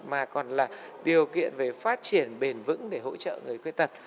mà còn là điều kiện về phát triển bền vững để hỗ trợ người khuyết tật